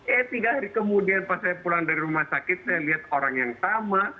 eh tiga hari kemudian pas saya pulang dari rumah sakit saya lihat orang yang sama